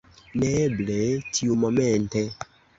Neeble, tiumomente.